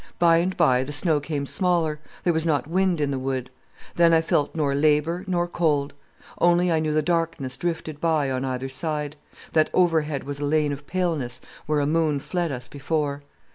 By and by the snow came smaller, there was not wind in the wood. Then I felt nor labour, nor cold. Only I knew the darkness drifted by on either side, that overhead was a lane of paleness where a moon fled us before.